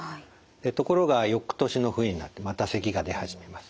ところがよくとしの冬になってまたせきが出始めます。